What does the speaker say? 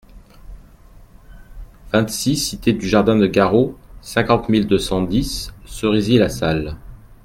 vingt-six cité du Jardin de Garot, cinquante mille deux cent dix Cerisy-la-Salle